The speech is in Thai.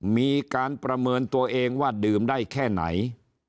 มีการประเมินตัวเองว่าดื่มได้แค่ไหน